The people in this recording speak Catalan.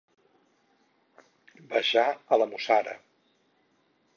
Baixar de la Mussara.